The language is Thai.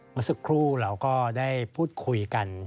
เมื่อสักครู่เราก็ได้พูดคุยกัน